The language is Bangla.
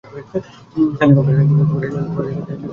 হেলিকপ্টার ক্ষতিগ্রস্থ হয়েছে।